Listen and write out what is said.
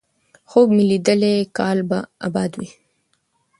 خوب مې ليدلی کال به اباد وي،